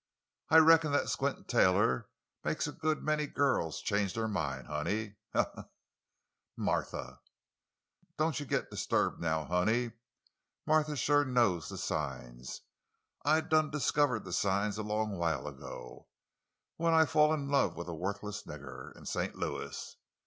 "I reckon that 'Squint' Taylor make a good many girls change their mind, honey—he, he, he!" "Martha!" "Doan you git 'sturbed, now, honey. Martha shuah knows the signs. I done discover the signs a long while ago—when I fall in love with a worfless nigger in St. Louis.